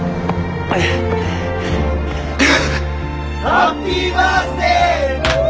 ハッピーバースデー！